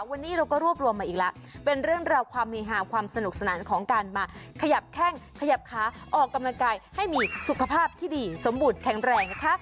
วันนี้เราก็รวบรวมมาอีกแล้วเป็นเรื่องราวความมีหาความสนุกสนานของการมาขยับแข้งขยับขาออกกำลังกายให้มีสุขภาพที่ดีสมบูรณแข็งแรงนะคะ